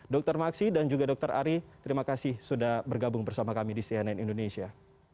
dr maksi dan juga dr ari terima kasih sudah bergabung bersama kami di cnn indonesia